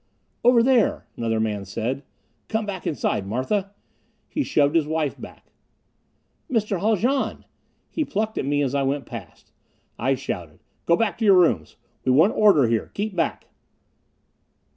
"Over there," said another man. "Come back inside, Martha." He shoved his wife back. "Mr. Haljan!" He plucked at me as I went past. I shouted, "Go back to your rooms! We want order here keep back!"